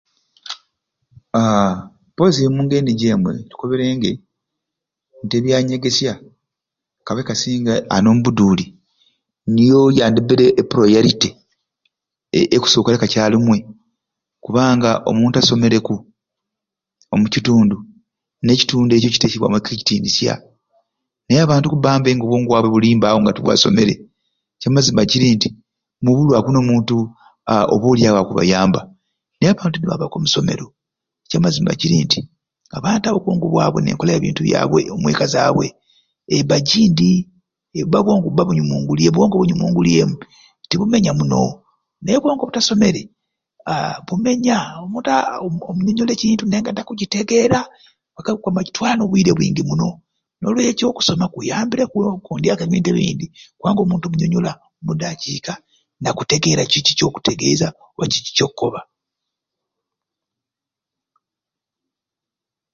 Aaa mpozi omungeri nijo emwe tukoberenge nti ebyanyegesya kabe kasinge ani omubuduuli niyo yandibaire e puriyoriti ekusookera kakyalumwe kubanga omuntu asomereku omukitundu n'ekitundu ekyo kiteekebwamu ekitinisya naye abantu okubba mb'awo nga obwongo bwabwe nga tibasomere ekyamazima kiri nti mubulwaku n'omuntu aa oba olyawo aku akubayamba naye abantu nibaaba okusoma ekyamazima kiri nti abantu abo obwongo bwabwe n'enkola ya bintu byabwe omweka zaabwe ebba gindi ebba obwongo bwabwe bubba bunyumungulye obwongo bwabwe bubba bunyumungulyemu tibumenya muno naye obwongo obutasomere aa bumenya omuntu aa omunyonyola ekintu naye nga takukitegeera kitwala n'obwire bwingi muno n'olwekyo okusoma kunyambireku okugondyaku ebintu ebindi kubanga omuntu omunyonyola mudakiika nakutegeera kiki kyokutegeeza oba kiki kyokukoba.